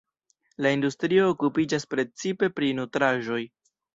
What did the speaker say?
La industrio okupiĝas precipe pri nutraĵoj.